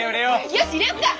よしいれよっか！